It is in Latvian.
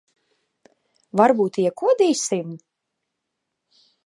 Varbūt iekodīsim?